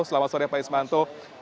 selamat sore pak ismanto